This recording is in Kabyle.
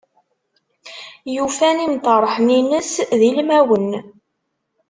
Yufa-n imṭerḥen-ines d ilmawen.